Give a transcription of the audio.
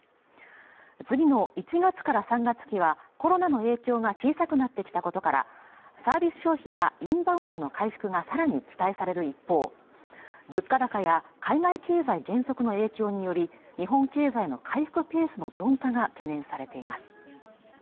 次の１月から３月期はコロナの影響が小さくなってきたことからサービス消費やインバウンドの回復がさらに期待される一方物価高や海外経済減速の影響により日本経済の回復ペースの鈍化が懸念されています